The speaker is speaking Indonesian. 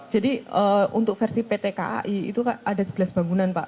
jadi untuk versi pt kai itu ada sebelas bangunan pak